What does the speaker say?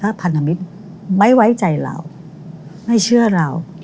ถ้าพันธมิตไม่ไว้ใจแล้ว